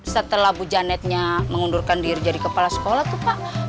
setelah bu janetnya mengundurkan diri jadi kepala sekolah tuh pak